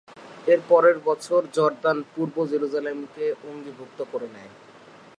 এর পরের বছর জর্দান পূর্ব জেরুসালেমকে অঙ্গীভূত করে নেয়।